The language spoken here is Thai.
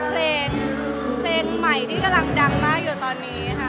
เพลงเพลงใหม่ที่กำลังดังมากอยู่ตอนนี้ค่ะ